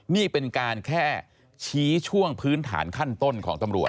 นี่เป็นการแค่ชี้ช่วงพื้นฐานขั้นต้นของตำรวจ